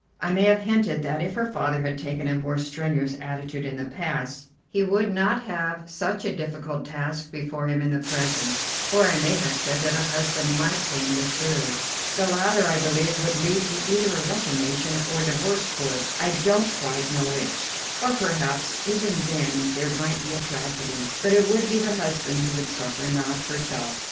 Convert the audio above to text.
I may have hinted that if her father had taken a more strenuous attitude in the past, he would not have such a difficult task before him in the present, or I may have said that a husband might tame the shrew. The latter, I believe, would lead to either a reformation or the divorce court, I don't quite know which. Or perhaps even then there might be a tragedy; but it would be the husband who would suffer, not herself.